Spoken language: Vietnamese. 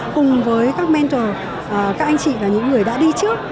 cùng với các mentor các anh chị và những người đã đi trước